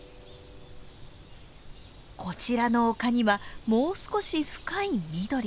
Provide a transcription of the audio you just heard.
こちらの丘にはもう少し深い緑。